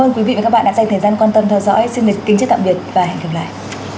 ơn quý vị và các bạn đã dành thời gian quan tâm theo dõi xin kính chào tạm biệt và hẹn gặp lại